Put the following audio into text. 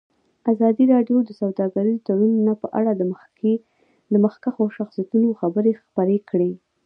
ازادي راډیو د سوداګریز تړونونه په اړه د مخکښو شخصیتونو خبرې خپرې کړي.